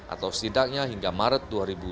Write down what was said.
atau setidaknya hingga maret dua ribu dua puluh